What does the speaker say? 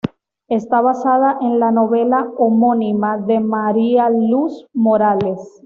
Está basada en la novela homónima de María Luz Morales.